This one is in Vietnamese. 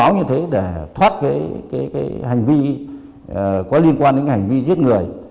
nhịp tiên biến